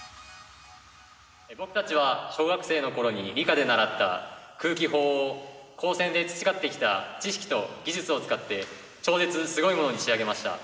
僕たちは小学生の頃に理科で習った空気砲を高専で培ってきた知識と技術を使って超絶すごいものに仕上げました。